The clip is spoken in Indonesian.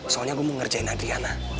soalnya gue mau ngerjain adriana